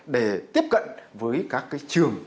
để tiếp cận với các trường